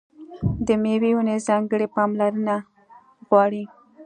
د مېوې ونې ځانګړې پاملرنه غواړي.